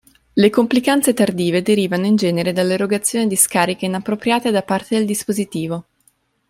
Le complicanze tardive derivano in genere dall'erogazione di scariche inappropriate da parte del dispositivo.